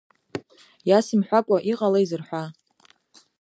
Иасымҳәакәа, иҟалеи зырҳәа?